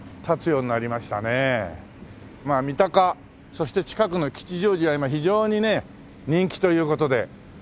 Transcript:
そして近くの吉祥寺は今非常にね人気という事で。